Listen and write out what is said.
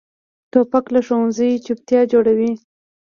توپک له ښوونځي چپتیا جوړوي.